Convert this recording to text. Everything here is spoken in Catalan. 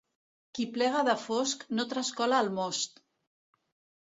Qui plega de fosc no trascola el most.